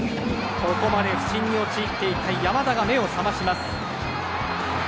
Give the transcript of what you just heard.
ここまで不振に陥っていた山田が目を覚まします。